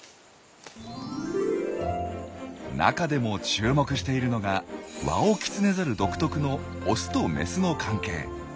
中でも注目しているのがワオキツネザル独特のオスとメスの関係。